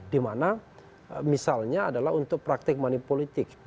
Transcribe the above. dimana misalnya adalah untuk praktik manipulatif